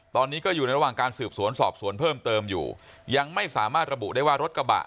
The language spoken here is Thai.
ตอนนี้ก็อยู่ในระหว่างการสืบสวนสอบสวนเพิ่มเติมอยู่ยังไม่สามารถระบุได้ว่ารถกระบะ